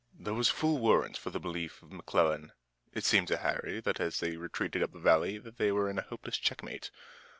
There was full warrant for the belief of McClellan. It seemed to Harry as they retreated up the valley that they were in a hopeless checkmate.